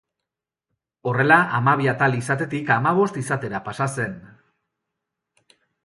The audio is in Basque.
Horrela, hamabi atal izatetik hamabost izatera pasa zen.